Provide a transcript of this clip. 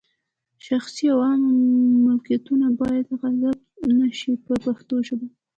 شخصي او عامه ملکیتونه باید غصب نه شي په پښتو ژبه.